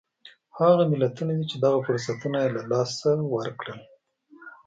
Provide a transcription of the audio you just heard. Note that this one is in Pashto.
هغه ملتونه دي چې دغه فرصتونه یې له لاسه ورکړل.